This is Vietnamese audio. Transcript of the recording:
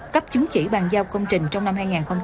cấp chứng chỉ bàn giao công trình trong năm hai nghìn hai mươi